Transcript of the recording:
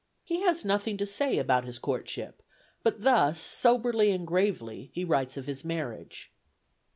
He has nothing to say about his courtship, but thus soberly and gravely he writes of his marriage.